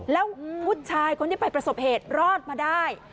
แล้วผู้ชายคนที่ไปประสบเหตุรอดมาได้